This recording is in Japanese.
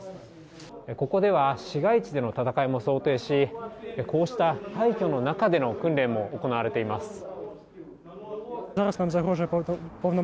ここでは市街地での戦いも想定し、こうした廃虚の中での訓練も行われています。